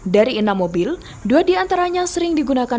dari enam mobil dua diantaranya sering digunakan